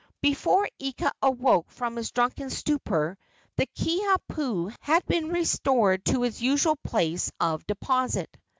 Before Ika awoke from his drunken stupor the Kiha pu had been restored to its usual place of deposit.